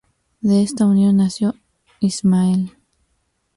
De esta unión nació Ishmael.